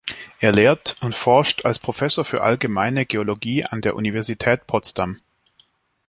Er lehrt und forscht als Professor für Allgemeine Geologie an der Universität Potsdam.